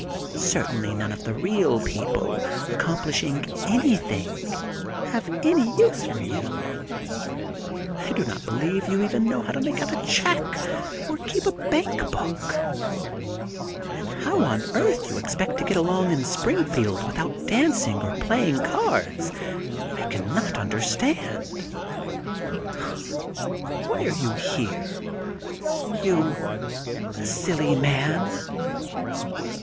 Certainly none of the real people, accomplishing anything, have any use for you. I do not believe you even know how to make out a check or keep a bank book. And how on earth you expect to get along in Springfield without dancing or playing cards I cannot understand. Why are you here, you silly man?''